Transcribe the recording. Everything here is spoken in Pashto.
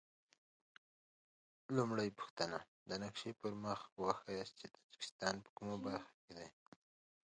لومړۍ پوښتنه: د نقشې پر مخ وښایاست چې تاجکستان په کومه برخه کې دی؟